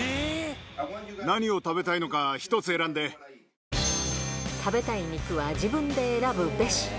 何を食べたいのか、１つ選ん食べたい肉は自分で選ぶべし。